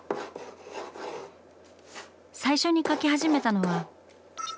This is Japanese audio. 最初に描き始めたのは。